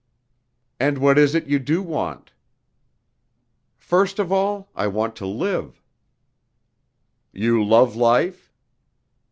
"And what is it you do want?" "First of all I want to live." "You love life?"